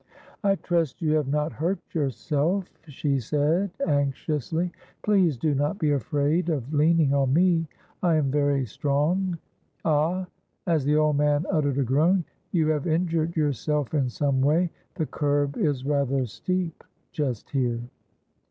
"I trust you have not hurt yourself," she said, anxiously. "Please do not be afraid of leaning on me, I am very strong. Ah," as the old man uttered a groan, "you have injured yourself in some way. The curb is rather steep just here."